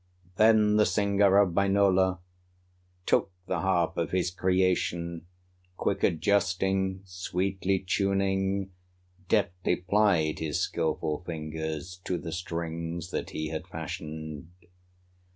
Then the singer of Wainola Took the harp of his creation, Quick adjusting, sweetly tuning, Deftly plied his skillful fingers To the strings that he had fashioned.